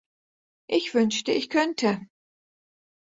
Ich wünschte, ich könnte.